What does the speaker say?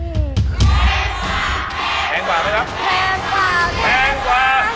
แพงกว่าแพงกว่าแพงกว่า